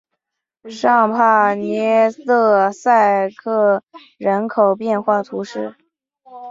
尚帕涅勒塞克人口变化图示